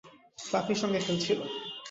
ফ্লাফির সঙ্গে খেলছিল।